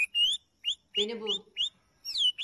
Beni bul.